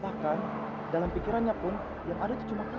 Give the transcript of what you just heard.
bahkan dalam pikirannya pun yang ada tuh cuma kamu